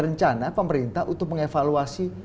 rencana pemerintah untuk mengevaluasi